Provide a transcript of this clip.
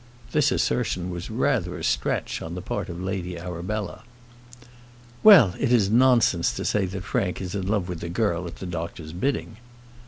This assertion was rather a stretch on the part of Lady Arabella. "Well, it is nonsense to say that Frank is in love with the girl at the doctor's bidding."